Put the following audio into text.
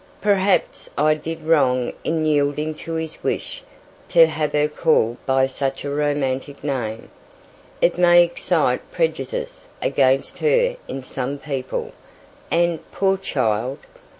"Perhaps I did wrong in yielding to his wish, to have her called by such a romantic name. It may excite prejudice against her in some people; and, poor child!